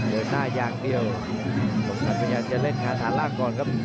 เดินหน้าอย่างเดียวสมศักดิ์พยายามจะเล่นงานฐานล่างก่อนครับ